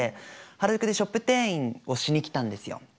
原宿でショップ店員をしに来たんですよ。